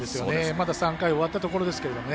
まだ３回終わったところですけどね。